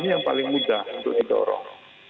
ini yang paling mudah untuk didorong